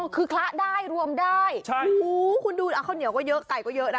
คือคละได้รวมได้คุณดูข้าวเหนียวก็เยอะไก่ก็เยอะนะ